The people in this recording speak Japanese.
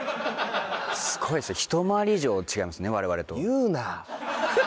すごいですねひと回り以上違いますね我々と。